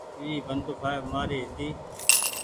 اي ونٽوڦآئڦ مآري هيتي ۔